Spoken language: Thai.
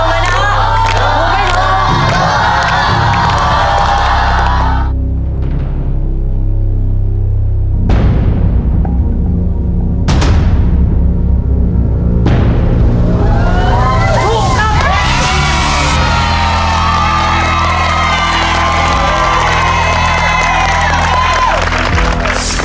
ถูกครับ